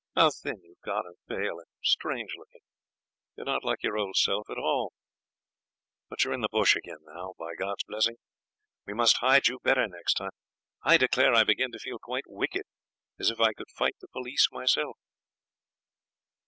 How thin you've got and pale, and strange looking. You're not like your old self at all. But you're in the bush again now, by God's blessing. We must hide you better next time. I declare I begin to feel quite wicked, and as if I could fight the police myself.'